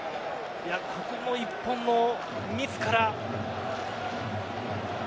ここも１本のミスから。